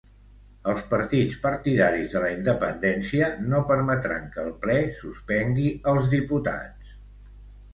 Els partits partidaris de la independència no permetran que el ple suspengui els diputats.